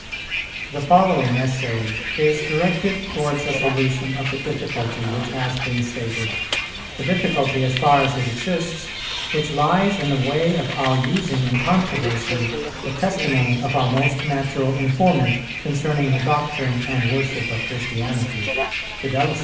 The following Essay is directed towards a solution of the difficulty which has been stated, the difficulty, as far as it exists, which lies in the way of our using in controversy the testimony of our most natural informant concerning the doctrine and worship of Christianity, viz.